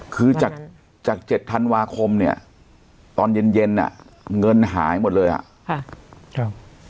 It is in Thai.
คือจากจากเจ็ดธันวาคมเนี่ยตอนเย็นเย็นอ่ะเงินหายหมดเลยอ่ะค่ะครับ